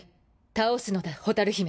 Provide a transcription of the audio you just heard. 倒すのだ蛍姫。